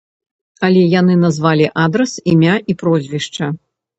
Але яны назвалі адрас, імя і прозвішча.